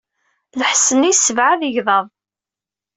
Lḥess-nni yessebɛad igḍaḍ.